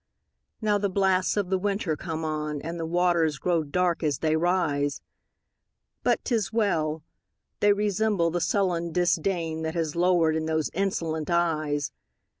Now the blasts of the winter come on, And the waters grow dark as they rise! But 't is well!—they resemble the sullen disdainThat has lowered in those insolent eyes.